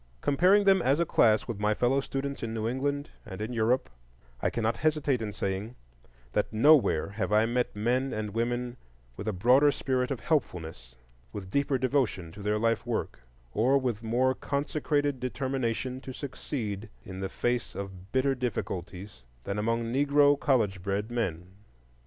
Comparing them as a class with my fellow students in New England and in Europe, I cannot hesitate in saying that nowhere have I met men and women with a broader spirit of helpfulness, with deeper devotion to their life work, or with more consecrated determination to succeed in the face of bitter difficulties than among Negro college bred men.